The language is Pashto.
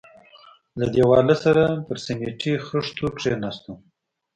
له دېواله سره پر سميټي خښتو کښېناستو.